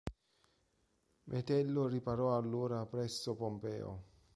Metello riparò allora presso Pompeo.